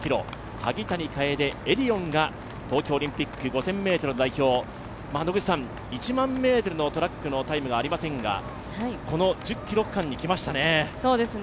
萩谷楓、エディオンが東京オリンピック代表１００００ｍのトラックのタイムがありませんがこの１０ｋｍ区間にきましたね。